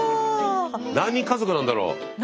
何人家族なんだろう？